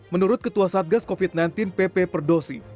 menurut ketua satgas covid sembilan belas pp perdosi